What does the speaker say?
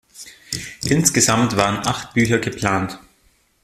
Insgesamt waren acht Bücher geplant.